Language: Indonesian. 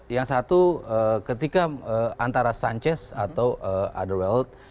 yang satu ketika antara sanchez atau otherweld